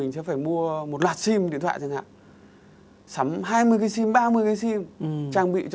cách ăn mặc